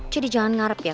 jadi jangan ngarep ya